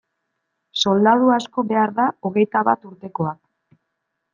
Soldadu asko behar da, hogeita bat urtekoak.